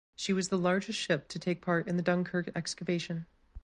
She was the largest ship to take part in the Dunkirk evacuation.